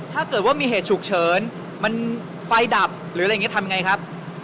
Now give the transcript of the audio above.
ถ้าเกิดว่ามีเหตุฉุกเฉินไฟล์ดับทำยังไงครับ